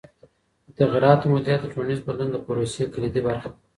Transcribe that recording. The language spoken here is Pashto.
د تغییراتو مدیریت د ټولنیز بدلون د پروسې کلیدي برخه ده.